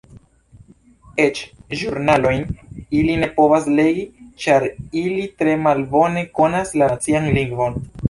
Eĉ ĵurnalojn ili ne povas legi ĉar ili tre malbone konas la nacian lingvon.